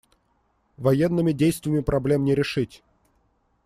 Военными действиями проблем не решить.